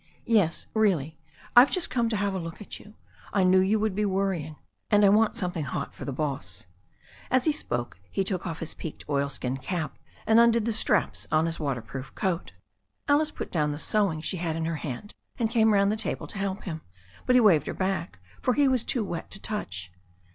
'Yes, really. I've just come to have a look at you. I knew you would be worrying. And I want something hot for the boss." As he spoke he took off his peaked oilskin cap, and undid the straps on his waterproof coat. Alice put down the sewing she had in her hand, and came round the table to help him. But he waved her back, for he was too wet to touch.